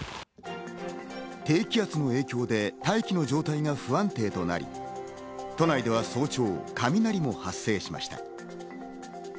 低気圧の影響で大気の状態が不安定となり、都内では早朝、雷も発生しました。